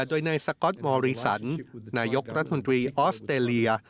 ด้วยในสกอทมอรีสันนายกรัฐธุนทรีย์ออสเตอร์เลีย